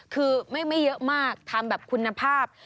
คือไม่เยอะมากทำแบบคุณภาพ